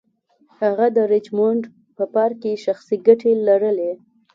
هغه د ریچمونډ په پارک کې شخصي ګټې لرلې.